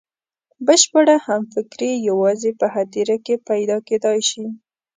بشپړه همفکري یوازې په هدیره کې پیدا کېدای شي.